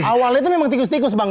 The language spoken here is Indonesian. awalnya itu memang tikus tikus bang